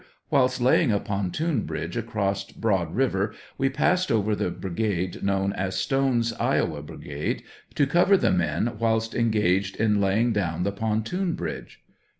Whilst laying, a pontoon bridge across Broad river we passed over the brigade, inown as Stone's Iowa brigade, to cover the men whilst engaged in lay ing down the pontoon bridge.